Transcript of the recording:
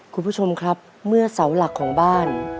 คุณผู้ชมครับเมื่อเสาหลักของบ้าน